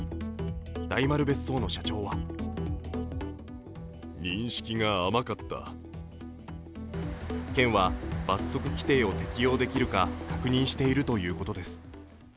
大丸別荘の社長は県は罰則規定を適用できるか確認しているということです。